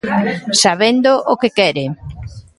Sabendo o que quere.